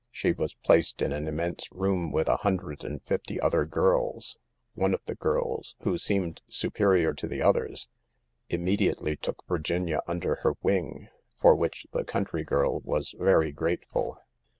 She was placed in an immense room with a hundred and fifty other girls. One of the girls, who seemed superior to all the others, immediately took Virginia under her wing, for which the country girl was very grateful.